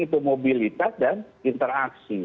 itu mobilitas dan interaksi